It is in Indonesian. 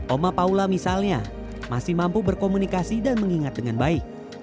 oma paula misalnya masih mampu berkomunikasi dan mengingat dengan baik